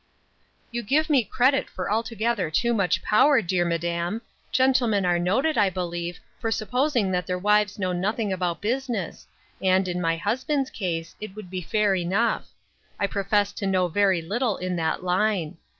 "You give me credit for altogether too much power, dear madam ; gentlemen are noted, I be lieve, for supposing that their wives know nothing about business, and, in my husband's case, it would be fair enough ; I profess to know very little in that line.